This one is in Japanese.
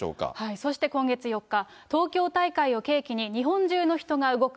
そして今月４日、東京大会を契機に、日本中の人が動く。